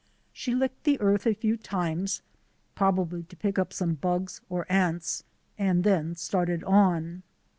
She licked the earth a few times, probably to pick up some bugs or ants, and then started on.